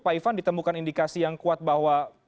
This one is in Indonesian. pak ivan ditemukan indikasi yang kuat bahwa